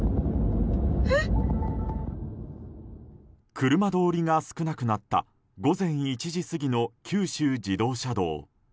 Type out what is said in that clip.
車通りが少なくなった午前１時過ぎの九州自動車道。